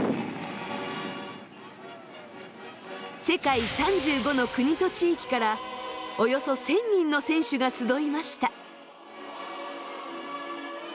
世界３５の国と地域からおよそ１，０００人の選手が集いました。